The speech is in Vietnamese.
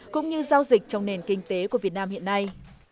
cũng như giao dịch trong nền kinh tế của việt nam hiện nay